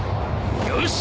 よし！